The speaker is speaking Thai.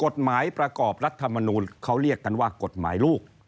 กฎหมายประกอบรัฐมนูลเขาเรียกกันว่ากฎหมายลูก